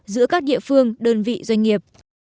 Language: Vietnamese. giữa các địa phương đơn vị doanh nghiệp